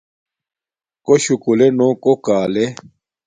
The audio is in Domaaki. کݸ شُکُلݺ نݸ کݸ کݳلݺ.